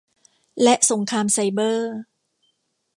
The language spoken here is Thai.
และสงครามไซเบอร์